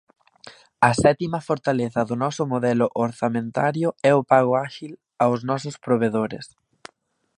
A sétima fortaleza do noso modelo orzamentario é o pago áxil aos nosos provedores.